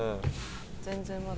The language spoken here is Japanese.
全然まだ。